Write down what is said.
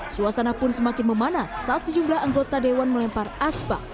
suasana pun semakin memanas saat sejumlah anggota dewan melempar aspa